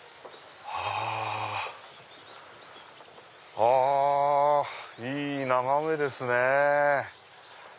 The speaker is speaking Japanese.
あいい眺めですね。